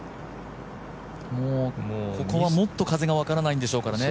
ここはもっと風が分からないんでしょうからね。